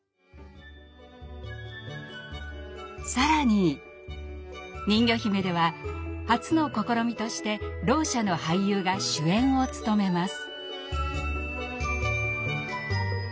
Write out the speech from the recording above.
更に「にんぎょひめ」では初の試みとしてろう者の俳優が主演を務めます。